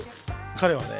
彼はね